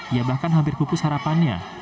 ia bahkan hampir pupus harapannya